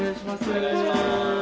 お願いします。